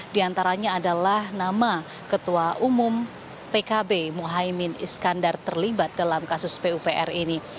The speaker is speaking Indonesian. di antaranya adalah nama ketua umum pkb muhaymin iskandar terlibat dalam kasus pupr ini